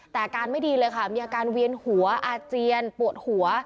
แต่อาการไม่ดีเลยค่ะมีอาการเวียนหัวอาเจียนปวดหัว